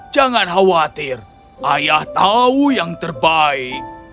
jangan khawatir ayah tahu yang terbaik